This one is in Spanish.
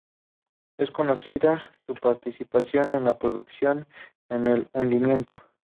Es conocida su participación en la producción de "El Hundimiento".